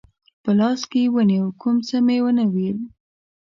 په لاس کې ونیو، کوم څه مې و نه ویل.